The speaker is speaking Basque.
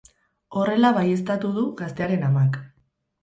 Horrela baieztatu du gaztearen amak.